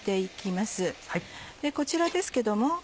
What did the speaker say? こちらですけども。